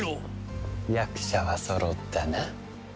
役者はそろったな。